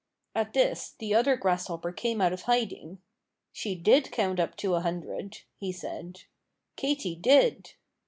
At this, the other grasshopper came out of hiding. "She did count up to a hundred," he said, "Katy did!"